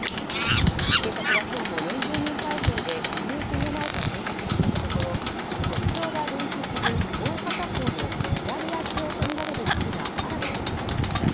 警察は今日も４０人態勢で遺留品がないか捜索していたところ特徴が類似する、もう片方の左足用とみられる靴が新たに見つかりました。